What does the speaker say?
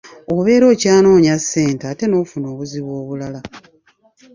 Obeera okyanoonya ssente ate n'ofuna obuzibu obulala.